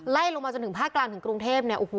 ไล่ลงมาจนถึงฝ้ากลางถึงกรุงเทพฯ